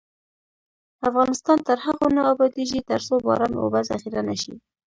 افغانستان تر هغو نه ابادیږي، ترڅو باران اوبه ذخیره نشي.